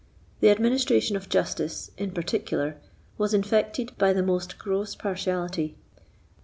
The administration of justice, in particular, was infected by the most gross partiality.